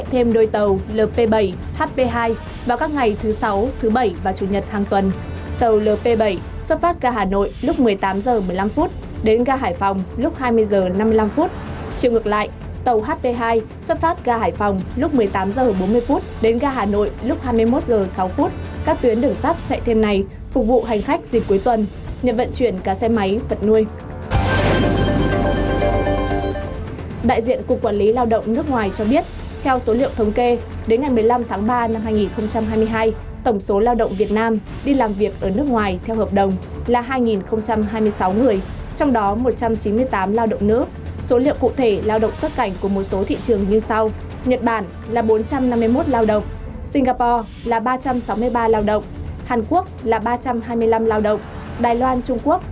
trung quốc là ba trăm sáu mươi ba lao động hàn quốc là ba trăm hai mươi năm lao động đài loan trung quốc có hai trăm bốn mươi tám lao động hungary là chín mươi chín lao động